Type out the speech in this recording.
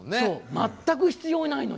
全く必要ないのに。